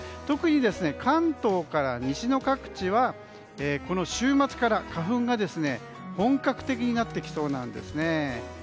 特に関東から西の各地はこの週末から花粉が本格的になってきそうなんです。